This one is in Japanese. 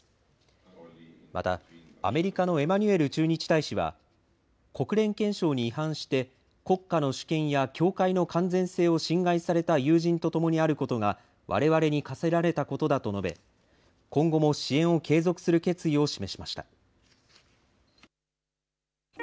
また、アメリカのエマニュエル駐日大使は、国連憲章に違反して、国家の主権や境界の完全性を侵害された友人とともにあることが、われわれに課せられたことだと述べ、今後も支援を継続する決意を示しました。